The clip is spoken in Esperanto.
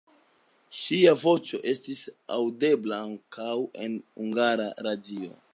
Ŝia voĉo estis aŭdebla ankaŭ en Hungara Radio.